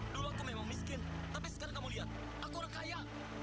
dulu aku memang miskin tapi sekarang kamu lihat aku udah kaya